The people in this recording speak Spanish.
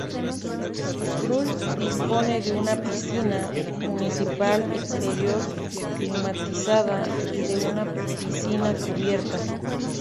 Brühl dispone de una piscina municipal exterior climatizada y de una piscina cubierta.